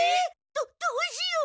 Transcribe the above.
どっどうしよう。